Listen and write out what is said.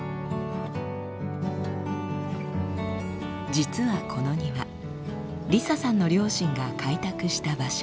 実はこの庭リサさんの両親が開拓した場所。